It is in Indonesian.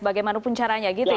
bagaimanapun caranya gitu ya